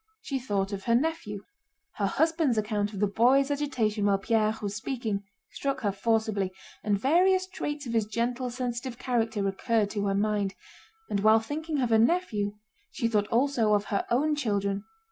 She thought of her nephew. Her husband's account of the boy's agitation while Pierre was speaking struck her forcibly, and various traits of his gentle, sensitive character recurred to her mind; and while thinking of her nephew she thought also of her own children.